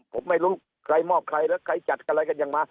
ผมไม่รู้ใครมอบใครแล้วใครจัดอะไรกันยังมา